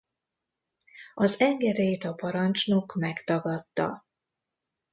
Az engedélyt a parancsnok megtagadta.